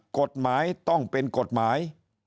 กฎหมายต้องเป็นกฎหมาย